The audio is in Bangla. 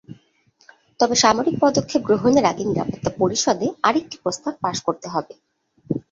তবে সামরিক পদক্ষেপ গ্রহণের আগে নিরাপত্তা পরিষদে আরেকটি প্রস্তাব পাস করতে হবে।